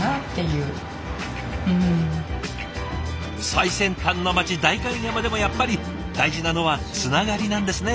最先端の町代官山でもやっぱり大事なのはつながりなんですね。